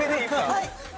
はい。